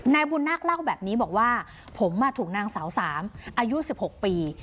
นายบุญนาคเล่าแบบนี้บอกว่าผมถูกนางสาวสามอายุ๑๖ปี